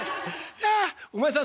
あお前さん